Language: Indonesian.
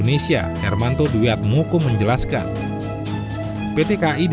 jembatan bentang lrt